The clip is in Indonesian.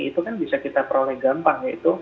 itu kan bisa kita peroleh gampang yaitu